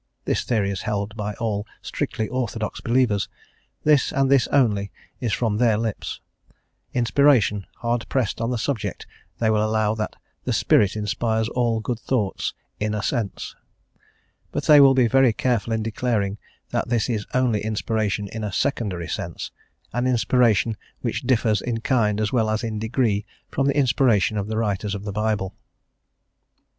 This theory is held by all strictly orthodox believers; this and this only is from their lips, inspiration; hard pressed on the subject they will allow that the Spirit inspires all good thoughts "in a sense," but they will be very careful in declaring that this is only inspiration in a secondary sense, an inspiration which diners in kind as well as in degree from the inspiration of the writers of the Bible.